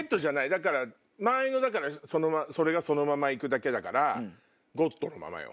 だから前のそれがそのまま行くだけだからゴッドのままよ。